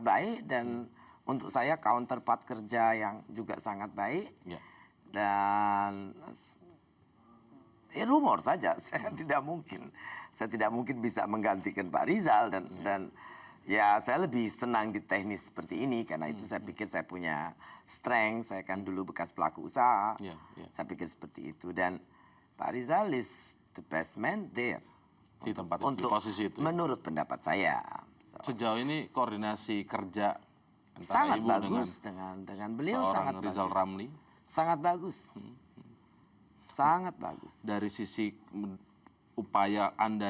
bagus dengan dengan beliau sangat rizal ramli sangat bagus sangat bagus dari sisi upaya anda